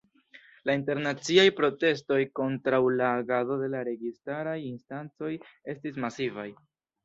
La internaciaj protestoj kontraŭ la agado de la registaraj instancoj estis masivaj.